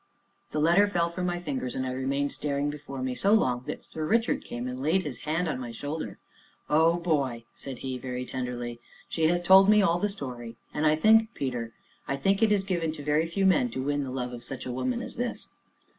The letter fell from my fingers, and I remained staring before me so long that Sir Richard came and laid his hand on my shoulder. "Oh, boy!" said he, very tenderly; "she has told me all the story, and I think, Peter, I think it is given to very few men to win the love of such a woman as this."